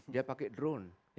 dia pakai drone